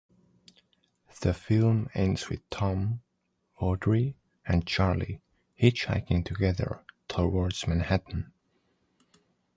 The film ends with Tom, Audrey, and Charlie hitchhiking together towards Manhattan.